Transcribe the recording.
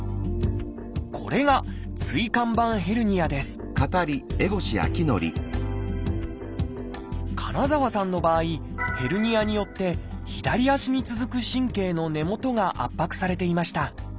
これが椎間板ヘルニアです金澤さんの場合ヘルニアによって左足に続く神経の根元が圧迫されていました。